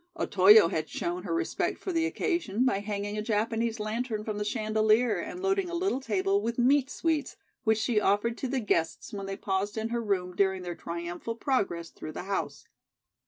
Otoyo had shown her respect for the occasion by hanging a Japanese lantern from the chandelier and loading a little table with "meat sweets," which she offered to the guests when they paused in her room during their triumphal progress through the house.